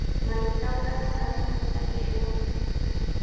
¿Maytrawraq tantata tarishwan?